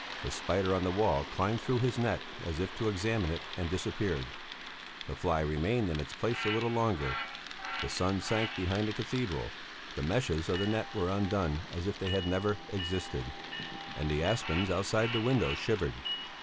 The spider on the wall climbed through his net as if to examine it and disappeared. The fly remained in its place a little longer. The sun sank behind the cathedral, the meshes of the net were undone as if they had never existed, and the aspens outside the window shivered.